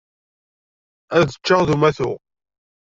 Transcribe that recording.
Ad ččeɣ d umatu.